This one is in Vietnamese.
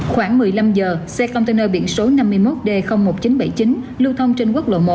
khoảng một mươi năm giờ xe container biển số năm mươi một d một nghìn chín trăm bảy mươi chín lưu thông trên quốc lộ một